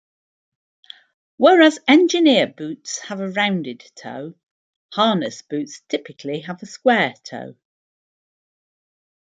Whereas engineer boots have a rounded toe, harness boots typically have a square toe.